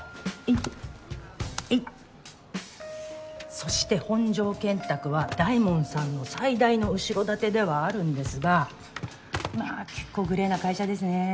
そして本城建託は大門さんの最大の後ろ盾ではあるんですがまあけっこうグレーな会社ですね。